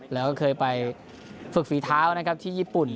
แล้วก็เคยไปฝึกฝีเท้านะครับที่ญี่ปุ่น